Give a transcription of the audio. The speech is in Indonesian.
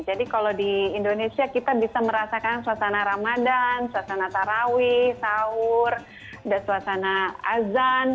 jadi kalau di indonesia kita bisa merasakan suasana ramadhan suasana taraweh sahur dan suasana azan